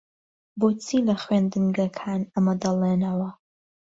بۆچی لە خوێندنگەکان ئەمە دەڵێنەوە؟